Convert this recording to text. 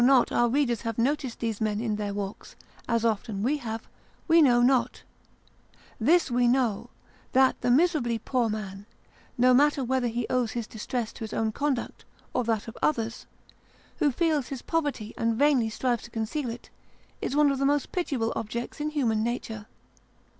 Whether our readers have noticed these men, in their walks, as often as we have, we know not ; this we know that the miserably poor man (no matter whether he owes his distresses to his own conduct, or that of others) who feels his poverty and vainly strives to conceal it, is one of the most pitiable objects in human nature.